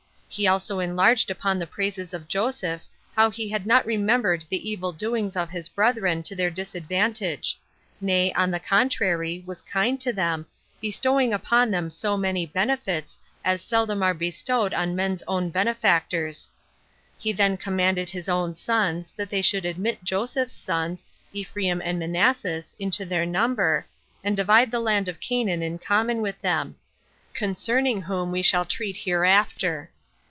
He also enlarged upon the praises of Joseph 15 how he had not remembered the evil doings of his brethren to their disadvantage; nay, on the contrary, was kind to them, bestowing upon them so many benefits, as seldom are bestowed on men's own benefactors. He then commanded his own sons that they should admit Joseph's sons, Ephraim and Manasses, into their number, and divide the land of Canaan in common with them; concerning whom we shall treat hereafter.